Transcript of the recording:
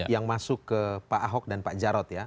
yang masuk ke pak ahok dan pak jarod ya